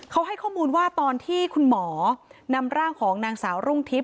เขาให้ข้อมูลว่าตอนที่คุณหมอนำร่างของนางสาวรุ่งทิพย